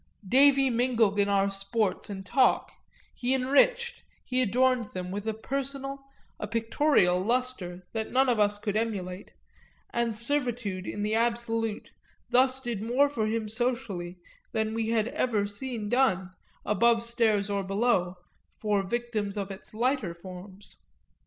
Davy mingled in our sports and talk, he enriched, he adorned them with a personal, a pictorial lustre that none of us could emulate, and servitude in the absolute thus did more for him socially than we had ever seen done, above stairs or below, for victims of its lighter forms.